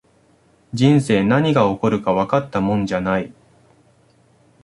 人生、何が起こるかわかったもんじゃない